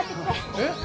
えっ。